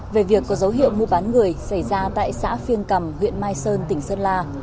về việc có dấu hiệu mua bán người xảy ra tại xã phiêng cầm huyện mai sơn tỉnh sơn la